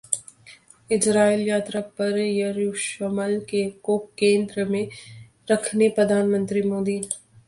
Israel यात्रा पर यरुशलम को केन्द्र में रखेंगे प्रधानमंत्री मोदी?